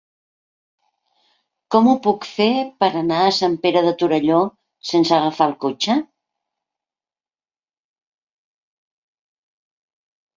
Com ho puc fer per anar a Sant Pere de Torelló sense agafar el cotxe?